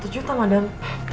dua ratus juta madal